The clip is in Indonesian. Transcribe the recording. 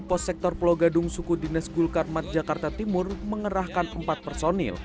pos sektor pulau gadung suku dinas gulkarmat jakarta timur mengerahkan empat personil